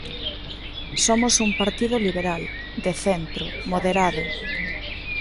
Somos un partido liberal, de centro, moderado.